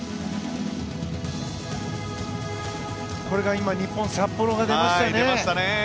これが今、日本札幌が出ましたね！